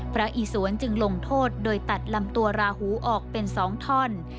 อีสวนจึงลงโทษโดยตัดลำตัวราหูออกเป็น๒ท่อน